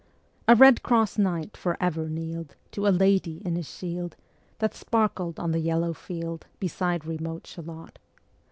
A red cross knight for ever kneel'd To a lady in his shield, That sparkled on the yellow field, Ā Ā Ā Beside remote Shalott.